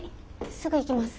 すぐ行きます。